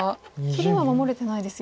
切りは守れてないですよね。